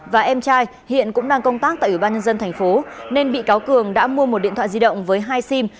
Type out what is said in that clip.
và em trai hiện cũng đang công tác tại ủy ban nhân dân thành phố nên bị cáo cường đã mua một điện thoại di động với hai sim